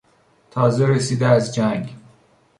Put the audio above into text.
تازه رسیده از جنگ